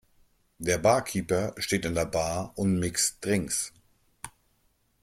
Der Barkeeper steht an der Bar und mixt Drinks.